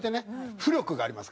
浮力がありますから。